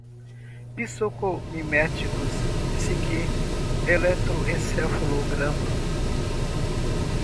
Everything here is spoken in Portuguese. psicotomiméticos, psique, eletroencefalograma